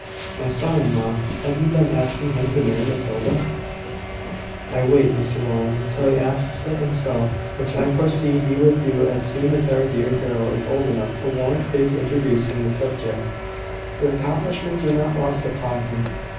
"My son in law! Have you been asking him to marry Matilda?" "I wait, Mr Rowland, till he asks it himself; which I foresee he will do as soon as our dear girl is old enough to warrant his introducing the subject. Her accomplishments are not lost upon him.